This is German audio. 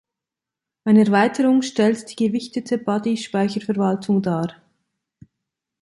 Eine Erweiterung stellt die gewichtete Buddy-Speicherverwaltung dar.